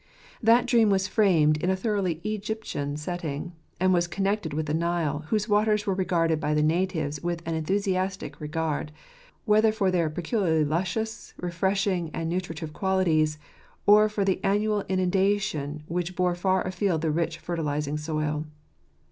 That dream was framed in a thoroughly Egyptian setting, and was connected with the Nile, whose waters were regarded by the natives with an enthusiastic regard, whether for their peculiarly luscious, refreshing, and nutritive qualities, or for the annual inunda tion which bore far afield the rich, fertilizing soil.